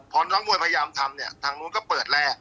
พอน้องมวยพยายามทำเนี่ยทางนู้นก็เปิดแรก